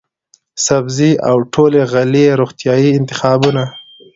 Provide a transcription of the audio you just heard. سبزۍ او ټولې غلې روغتیايي انتخابونه،